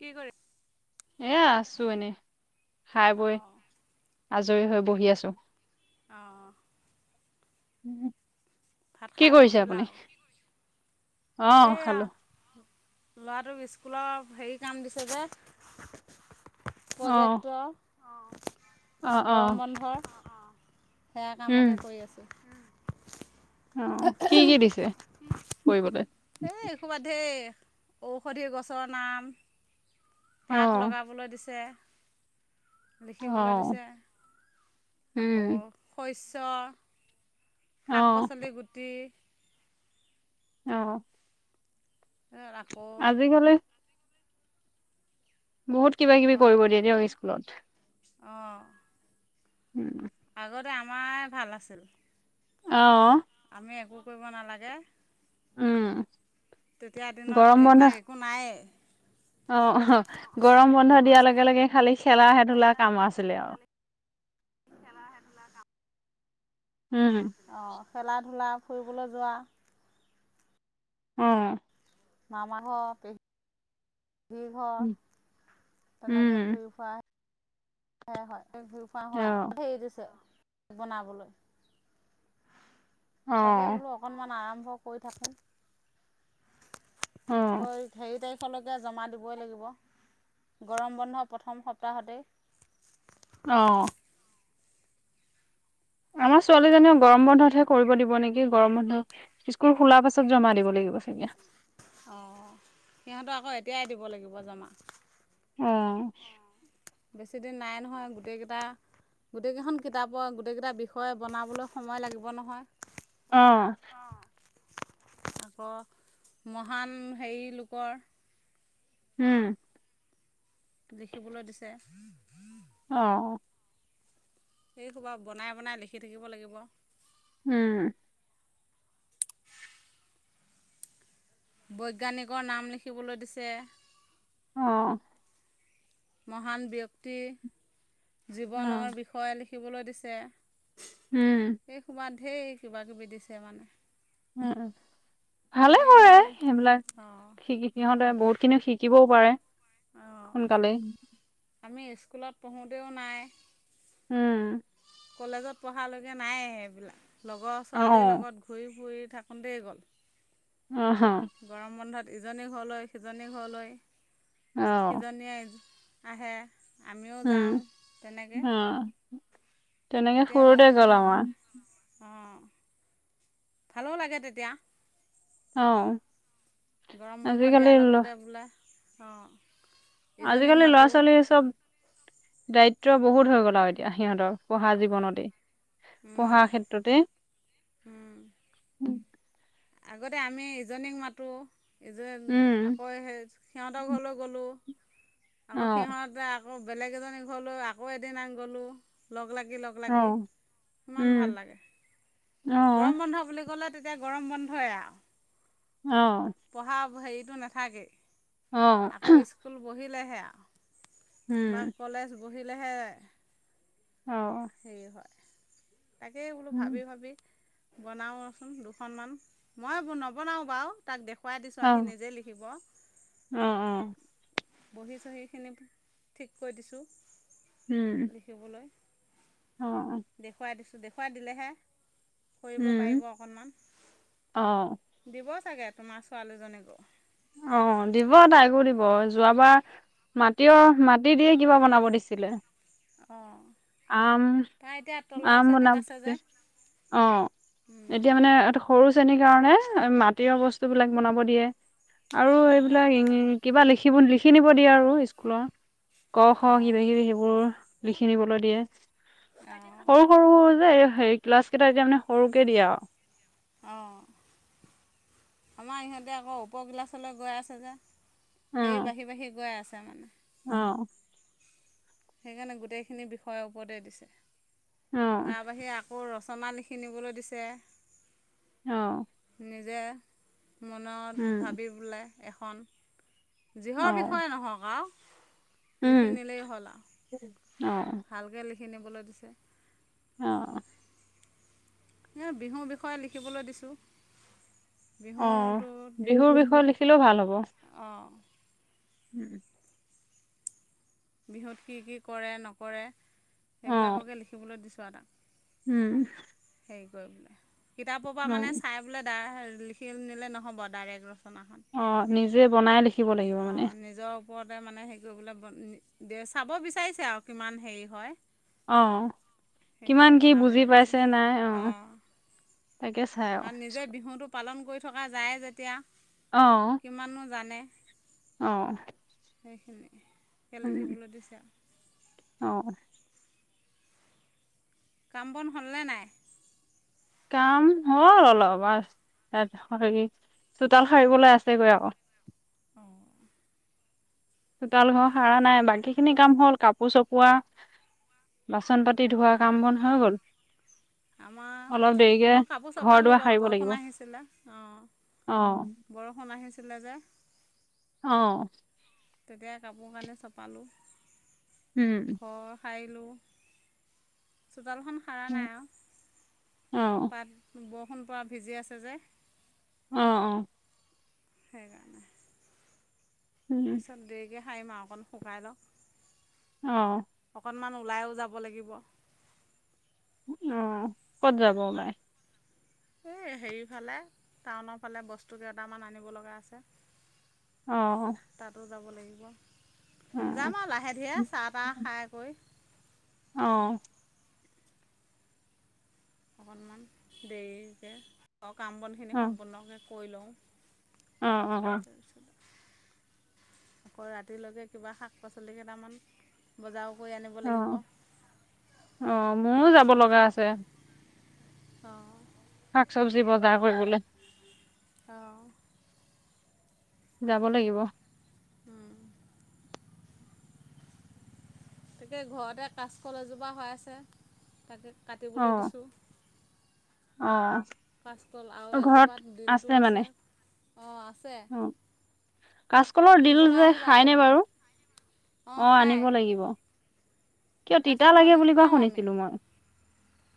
কি কৰি এয়া আছো এনে খাই বৈ অঁ আজৰি হৈ বহি আছো। অঁ উ [unintelligible] ভাত খাই বৈ উঠিলা আৰু অঁ এইয়া খালো ল'ৰাটোক স্কুলৰ হেৰি কাম দিছে যে অ প্ৰজেক্টৰ। অ অঁ অ গৰম বন্ধৰ অঁ অঁ সেয়া উম কামকে কৰি আছোঁ অ কি কি দিছে কৰিবলৈ? এ কবাত হে ঔষধি গছৰ নাম অ পাত লগাবলৈ দিছে। লিখিবলৈ অ দিছে। আকৌ উম শইচ ছ অ শাক পাচলি গুটি অঁ আকৌ আজিকালি বহুত কিবা কিবি অঁ কৰিব দিয়ে দিয়ক স্কুলত। [inaudible] [unintelligible] আগতে আমাৰ ভাল আছিল। অ আমি একো কৰিব নালাগে। উম তেতিয়া দিনত, গৰম বন্ধ এইবিলাক একো নায়েই অ', অ'। গৰম-বন্ধ দিয়াৰ লগে লগে, খালি খেলাহে-ধূলা কাম আছিলে, আৰু খেলাহে-ধূলা কাম উম। খেলা-ধূলা, ফুৰিবলৈ যোৱা অ'। মামা ঘ', পেহ হি ঘৰ, তেনেকে উম ঘূৰি-ফুৰা হে হয় [unintelligible] হোৱা অ [unintelligible] বনাবলৈ অ তাকে বোলো, অকণমান আৰাম মই কৈ থাকোঁ অ কৰি-সেৰি, তাৰিখ খলৈকেই জমা দিবই লাগিব, গৰম-বন্ধৰ প্ৰথম সপ্তাহতেই অ'। আমাৰ ছোৱালীজনীয়ে, গৰম-বন্ধতহে কৰিব দিব নেকি? গৰম-বন্ধ স্কুল খোলাৰ পাছত, জমা দিব লাগিব, চাগে অঁ, সিহঁতৰ আকৌ এতিয়াই দিব লাগিব, জমা উম। বেছিদিন নাই নহয়। গোটেইকেইটা, গোটেইকেইখন কিতাপৰ, গোটেইকেইটা বিষয়ে বনাবলৈ সময় লাগিব, নহয় অ'। আকৌ, মহান হেৰি লোকৰ উম। লিখিবলৈ দিছে অ'। এই সোপা বনাই-বনাই লিখি থাকিব লাগিব উম। বৈজ্ঞানিকৰ নাম লিখিবলৈ দিছে অ'। মহান ব্যক্তি অ জীৱনৰ বিষয়ে লিখি শিকিবলৈ দিছে উম এইসোপা লি ধেই, কিবা-কিবি দিছে মানে। উম, উম। ভালে তাকে মই হয়, বোলো সেইবিলাক অঁ শিকি, সিহঁতে বহুতখিনি শিকিবও পাৰে। ও অঁ সোনকালেই আমি স্কুলত পঢ়োঁতেও নাই উম। কলেজত পঢ়ালৈকে নাই এইবিলাক। লগৰ অ ছোৱালীৰ লগত ঘূৰি-ফুৰি থাকোঁতেই গল। অ, হা। গৰম বন্ধত ইজনী ঘৰলৈ, সিজনী ঘৰলৈ অ সিজনীয়ে আহে। আমিও উম যাওঁ তেনেকে। অ তেনেকে ফুৰোঁতে গ'ল আমাৰ। অঁ ভালো লাগে তেতিয়া। অ। গৰম বন্ধ আজিকালি দিয়াৰ লগতে বোলে অ। আজি-কালি ল'ৰা ছোৱালী চব দায়িত্ব বহুত হৈ গ'ল আৰু এতিয়া। সিহঁতৰ পঢ়া অঁ জীৱনতে, পঢ়াৰ ক্ষেত্ৰতে। আগতে আমি ইজনীক মাতো এই যে আকৌ সেই সিহঁতৰ ঘৰলৈ গ'লোঁ। আকৌ সিহঁতে আ আকৌ বেলেগ এজনী ঘৰলৈ আকৌ এদিনা গ'লোঁ লগ লাগ লগ লাগি, লগ লাগি কিমান ভাল লাগে। গৰম বন্ধ বুলি ক'লে তেতিয়া গৰম বন্ধই আৰু। পঢ়া হেৰি সেইটো নাথাকে। আকৌ স্কুল বহিত পলেহে আ বা কলেজ বহিলেহে সেই হয় তাকে, বোলো ভাবি ভাবি বনাও ৰচোন দুখনমান। মই নবনাও বাৰু তাক দেখ খুৱাই দিছোঁ আৰু সি নিজে লিখিব। বহি চহিখিনি ঠিক কৰি দিছোঁ। লিখিবলৈ দেখুৱাই দিছোঁ। দেখুৱাই দিলেহে কৰিব পাৰিব অকনমান দিব চাগে তোমাৰ ছোৱালীজনীকো। অ দিব তাইকো দিব যোৱাবাৰ মাটিয় মাটি দিয়ে কিবা বনাব দিছিলে। অ আম আম শ্ৰেণীত বনাব আছে দিছে যে অ এতিয়া মানে এটা সৰু শেনীৰ কাৰণে মাটিয় বস্তু বিলাক বনাব দিয়ে। আৰু অঁ এইবিলাক কিবা লিখি সেইবোৰ লিখি নিব দিয়ে আৰু স্কুলৰ ক খ অঁ কিবা কিবি সেইবোৰ লিখিনিবলৈ দিয়ে। অঁ সৰু সৰু যে হেৰি ক্লাছ কেইটা এতিয়া মানে সৰুকে দিয়ে আ অঁ আমাৰ ইহঁতে আকৌ উপৰ ক্লাছলৈ গৈ আছে যে, অ সেই বাঢ়ি বাঢ়ি গৈ আছে। তেনে অ সেইকাৰণে গোটেইখিনি বিষয়ৰ ওপৰতে দিছে। তাৰ বাহিৰে আকৌ ৰচ ছমাহ লিখি নিবলৈ দিছে অঁ নিজে মনত ভাবি পেলাই এখন অ যিহৰ বিষয়ে নহওক আৰু উম লিখি নিলেই অঁ কিনিবলৈ দিছে। অঁ এ বিহুৰ বিষয়ে লিখিবলৈ দিছো। অ বিহুৰ বিষয় লিখিলেও ভাল হ'ব। অঁ [inaudible] বিহুত কি কি কৰে নকৰে। অ সেইবিলাককে লিখিবলৈ দিছো। [inaudible] উম হেই কৰব পেলাই [unintelligible] কিতাপ-পা অ মানে চাই পেলাই ডাহেল [unintelligible] লিখিল নিলে নহ'ব ডাইৰেগ অ নিজে বনাই লিখিব লাগিব মানে পৰতে মানে হেৰি কৰিবলে বন নি দে চাব বিচাৰিছে আৰু কিমান হেই হয় অ, কিমান সেইখিনি কি বুজি বনাবলৈ দিছে পাইছে নাই অ, অঁ তাকে চাই আও, স্কুলত কয়ি থকা যায়ে যেতিয়া কিমা-নো জানে? অহ্ সেইখিনিয়ে খেল লিখিবলৈ দিছে অহ্ কাম-বন হ'ল নে নাই? কাম হ'ল অলপ আচ [unintelligible] হৰি চোতাল সাৰিবলৈ আছেগৈ আও অঁ চোতাল-ঘৰ খাৰা নাই বাকী খিনি কাম হ'ল কাপোৰ চপোৱা, বাচন-পাতি ধোৱা কাম বন হৈ গ'ল। আমা, অলপ দেৰিকে মই কাপোৰ ঘৰ চপালোঁ দুৱাৰ বাও সাৰিব লাগিব বৰষুণ আহিছিলে, অ অ বৰষুণ আহিছ [inaudible] অ তেতিয়া কাপোৰ-কানি চপালোঁ উম ঘৰ খাৰি [inaudible] চোতালখন খাৰা নাই আও, অ অ পাত বস [unintelligible] সণপা ভিজি আছে যে [unintelligible] অ-অ সেইকাৰণে উম পিছত দেৰিকে ঝাইম আও অকণ শুকাই লক অহ অকণমান ওলাইৱো যাব লাগিব অহ ক'ত যাব পাৰে? এ হেৰিৰফালে, টাউনৰ ফালে বস্তু কেইটামান আনিব লগা আছে। অহ তাতো যাব লাগিব যাম আও লাহে ধীৰে চাহ-তাহ খাই কৰি অ অ অকণমান দেৰি যে মোৰ কাম বনখিনি সম্পূৰ্ণকৈ কৰি লওঁ অ অ অ তাৰপিছত আকৌ ৰাতিলৈকে কিবা শাক পাচলি কেইটামান বজাৰ অ অ মোৰো যাব লগা আছে অ শাক চবজি বজাৰ কৰিবলে। অ যাব লাগিব। উম তাকে ঘৰতে কাচকল এজোপা হৈ আছে তাকে অ কাটিবলৈ দিছোঁ অ কাচকল আৰু ঘৰত এজোপাত ডিলটো মানে আছে অ আছে অ কাচকলৰ ডিল নিবলৈ যে আহিবা খায়নে কেইটামান বাৰু অঁ অ খাই আনিব লাগিব। কিয় তিতা কাচকলৰ লাগে দিল বুলি কোৱা খাওঁ আমি শুনিছিলো মই।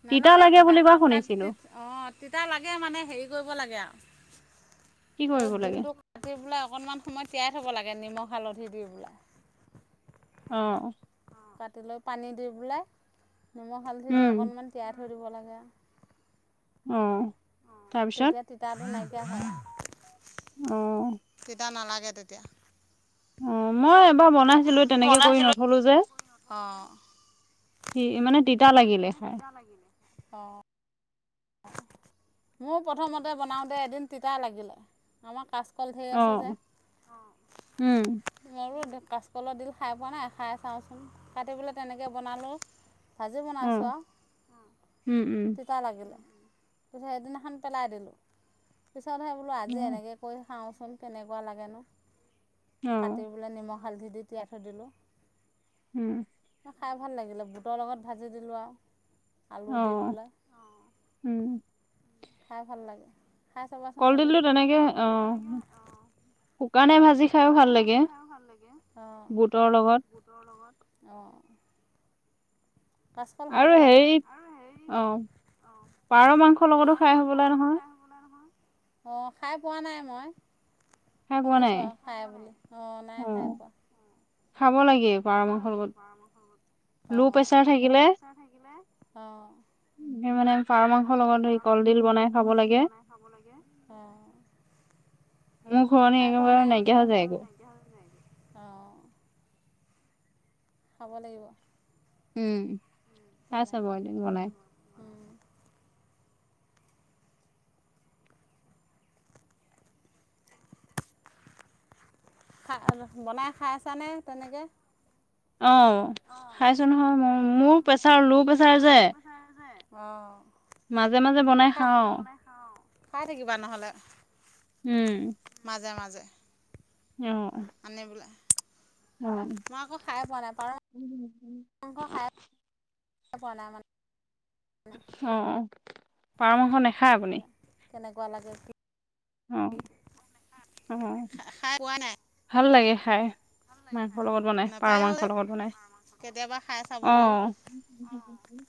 নালাগে লাগে তিতা বুলি কোৱা তাত শুনিছিলো অ তিতা লাগে মানে হেৰি কৰিব লাগে আও কি এই কৰিব লাগে ডিলটো কাটি পেলে অকনমান সময় তিয়াই থব লাগে নিমখ হালধি দি পেলাই অ কাটি লৈ পানী দি পেলাই নিমখ হালধি দি উম অকণমান তিয়াই থৈ দিব লাগে আও অ অ তাৰপিছত তেতিয়া তিতাটো নাই কিয়া হয় অ তিতা নালাগে তেতিয়া অ মই বা বনাইছিলো তেনেকে কৰি নথলো যে অঁ মানে তিতা লাগিলে খাই। অঁ মোৰ প্ৰথমতে বনাওঁতে এদিন তিতা লাগিলে, আমাৰ [unintelligible] ধৰি অ আছে যে, উম অঁ মোৰো কাচকলৰ ডিল খাই পোৱা নাই, খাই চাওঁচোন কাটি পেলাই তেনেকৈ বনালে। ভাজি অ বনাইছোঁ আৰু উম উম তিতা লাগিলে। সেইদিনাখন পেলাই দিলোঁ। পিছতহে বোলো অ আজি এনেকৈ কৈ চাওচোন কেনেকুৱা লাগেনো। অ', কাটি পেলাই নিমখ হালধি দি তিয়াই থৈ দিলোঁ। উম খাই ভাল লাগিলে বুটৰ লগত ভাজি দিলোঁ আৰু। আলু অ দি এইবিলাক। উম খাই ভাল লাগে। খাই চাবাচোন এদিন কলডিলটো তেনেকে অ শুকানে ভাজি খাইও শুকানে ভাল লাগে ভাজি খাইয়ো ভাল লাগে অঁ, বুটৰ লগত বুটৰ লগত, অঁ। কাচকল আৰু খাব লাগে হেৰি আৰু হেৰি অ অ পাৰ মাংসৰ লগতো পাৰ খাই হবলা মাংস লগতো নহয় খাই হবলৈ নহয়। অঁ, খাই পোৱা নাই মই। খাই পোৱা নাই। নাই অঁ, নাই অ খাই পোৱা। খাব লাগে পাৰ মাংসৰ লগত ল' অঁ, প্ৰেচাৰ লো' থাকিলে প্ৰেছাৰ থাকিলে অঁ সেই মানে পাৰ মাংসৰ লগত সেই পাৰ মাংসৰ কলডিল বনাই লগত খাব কলডিল লাগে বনাই খাব লাগে অঁ, মোৰ ঘূৰণি খাই পোৱা একেবাৰে নাই। নাইকিয়া হৈ যায় গৈ অঁ খাব লাগিব। উম তেনে, উম। খাই বনাই খাইছানে তেনেকে। অঁ, খাইছো নহয় ম মোৰ প্ৰেছাৰ ল' প্ৰেচাৰ যে অঁ মাজে মাজে বনাই খাই খাওঁ আও খাই থাকিবা নহ'লে। উম মাজে মাজে অঁ আনি পেলাই মই আকৌ খাই পোৱা নাই পাৰ মাংস খাই পোৱা নাই মানে অ পাৰ মাংস নেখায় আপুনি? কেনেকুৱা লাগে অ, অহ, খাই পোৱা নাই ভাল লাগে খাই, মাংসৰ লগত বনাই, পাৰ নাপায়ো যে মাংসৰ লগত বনাই, কেতিয়াবা খাই অ চাবলৈও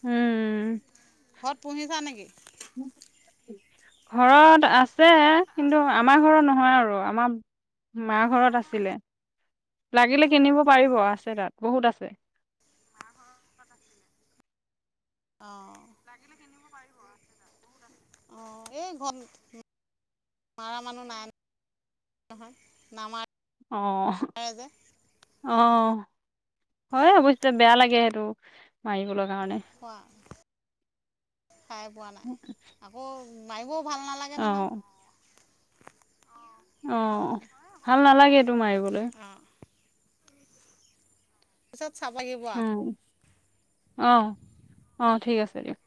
উম ঘৰত পুহিছা নেকি? ঘৰত আছে, কিন্তু আমাৰ ঘৰত নহয় আৰু আমাম মা ঘৰত আছিলে, লাগিলে কিনিব পাৰিব আছে তাত বহুত আছে। অ এই ঘত মাৰা মানুহ নাই নহয় নামাৰে যে সেইকাৰণে অহ-অহ, হয় অৱশ্যে বেয়া লাগি কেহেতু, মাৰিবলৈ কাৰণে খোৱা খাই পোৱা নাই, আকৌ মায়িবও ভাল নালাগে নহয়, অ অহ, ভাল নালাগেটো মাৰিবলৈ। অঁ পিচপ চ্যাপ লাগিব আ অহ্- অহ্, ঠিক আছে দিয়ক